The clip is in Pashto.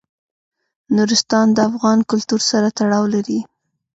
نورستان د افغان کلتور سره تړاو لري.